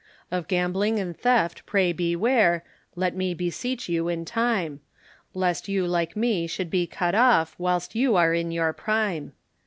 Of gambling and theft pray beware, Let me beseech you in time, Lest you like me should be cut off, Whilst you are in your prime.